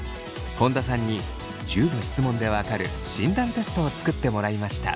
本田さんに１０の質問でわかる診断テストを作ってもらいました。